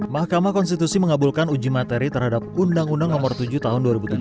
mahkamah konstitusi mengabulkan uji materi terhadap undang undang nomor tujuh tahun dua ribu tujuh belas